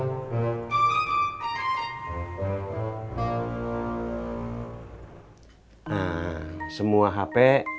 nah semua hp